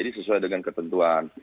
ini sesuai dengan ketentuan